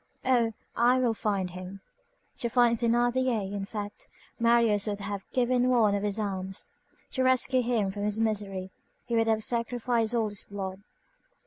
Oh! I will find him!" To find Thénardier, in fact, Marius would have given one of his arms, to rescue him from his misery, he would have sacrificed all his blood.